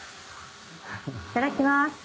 いただきます。